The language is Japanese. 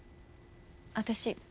私